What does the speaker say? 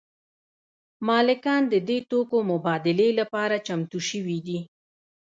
مالکان د دې توکو مبادلې لپاره چمتو شوي دي